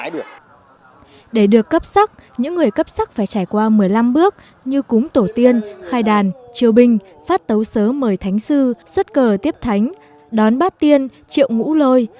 để được cấp sắc những người cấp sắc phải trải qua một mươi năm bước như cúng tổ tiên khai đàn triều binh phát tấu sớ mời thánh sư xuất cờ tiếp thánh đón bát tiên triệu ngũ lôi